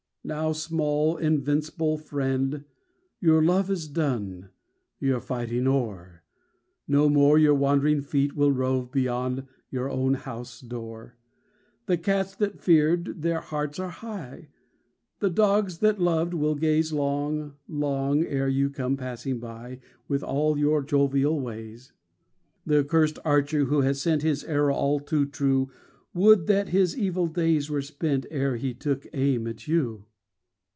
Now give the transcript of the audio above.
Now, small, invinc'ble friend, your love Is done, your fighting o'er, No more your wandering feet will rove Beyond your own house door. The cats that feared, their hearts are high, The dogs that loved will gaze Long, long ere you come passing by With all your jovial ways. Th' accursed archer who has sent His arrow all too true, Would that his evil days were spent Ere he took aim at you!